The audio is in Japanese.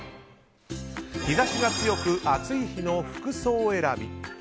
日差しが強く暑い日の服装選び。